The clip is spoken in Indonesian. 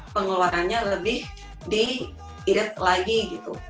pengeluarannya lebih di irit lagi gitu